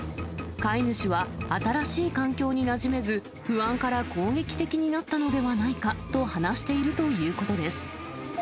飼い主は新しい環境になじめず、不安から攻撃的になったのではないかと話しているということです。